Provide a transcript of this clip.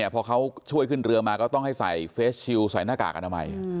พอเขาช่วยขึ้นเรือมาก็ต้องให้ใส่เฟสชิลใส่หน้ากากอนามัย